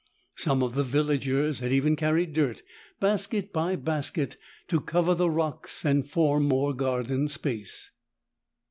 Some of the villagers had even carried dirt, basket by basket, to cover the rocks and form more garden space.